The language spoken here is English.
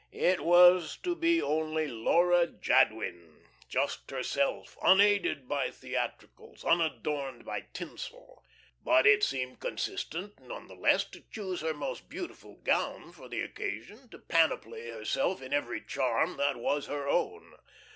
It was to be only Laura Jadwin just herself, unaided by theatricals, unadorned by tinsel. But it seemed consistent none the less to choose her most beautiful gown for the occasion, to panoply herself in every charm that was her own.